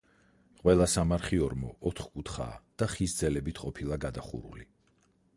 ყველა სამარხი ორმო ოთკუთხაა და ხის ძელებით ყოფილა გადახურული.